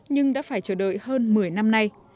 nhưng đã phải chờ đợi hơn một mươi năm nay